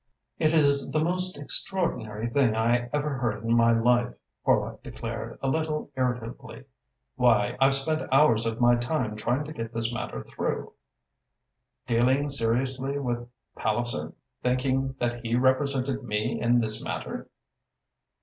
"It is the most extraordinary thing I ever heard in my life," Horlock declared, a little irritably. "Why, I've spent hours of my time trying to get this matter through." "Dealing seriously with Palliser, thinking that he represented me in this matter?"